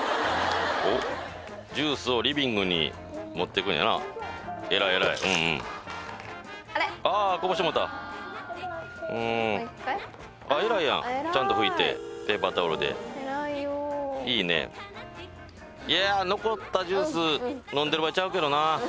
おっジュースをリビングに持っていくんやなえらいえらいうんうんああこぼしてもうたうーんえらいやんちゃんと拭いてペーパータオルでいいねいや残ったジュース飲んでる場合ちゃうけどな